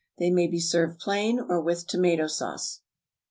They may be served plain or with tomato sauce.